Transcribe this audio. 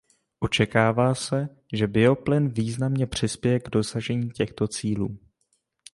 Očekává se, že bioplyn významně přispěje k dosažení těchto cílů.